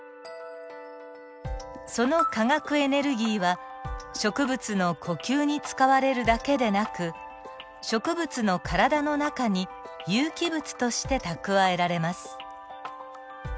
その化学エネルギーは植物の呼吸に使われるだけでなく植物の体の中に有機物として蓄えられます。